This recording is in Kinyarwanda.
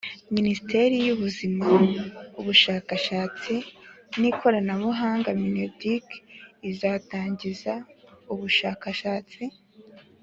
minisiteri y'uburezi, ubushakashatsi n'ikoranabuhanga (mineduc) izatangiza ubushakashatsi